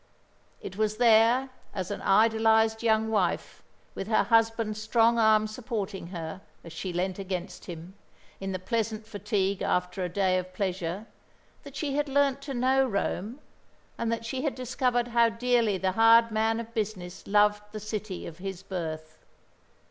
It was there, as an idolised young wife, with her husband's strong arm supporting her, as she leant against him, in the pleasant fatigue after a day of pleasure, that she had learnt to know Rome, and that she had discovered how dearly the hard man of business loved the city of his birth.